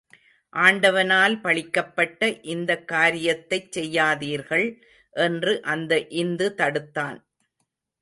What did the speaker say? ஆண்டவனால் பழிக்கப்பட்ட இந்தக் காரியத்தைச் செய்யாதீர்கள் என்று அந்த இந்து தடுத்தான்.